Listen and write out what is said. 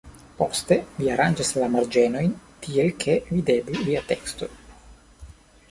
Poste vi aranĝas la marĝenojn tiel, ke videblu via teksto.